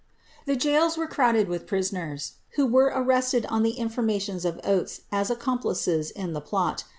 The gaols were crowded with prisoners, who were arrested on the in formations of Oates, as accomplices in the plot.